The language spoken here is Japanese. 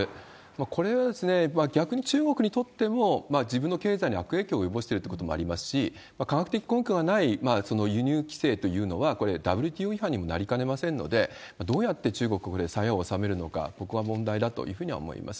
これ、逆に中国にとっても、自分の経済に悪影響を及ぼしているということもありますし、科学的根拠がない輸入規制というのは、これ、ＷＴＯ違反にもなりかねませんので、どうやって中国はさやを納めるのか、ここは問題だというふうには思います。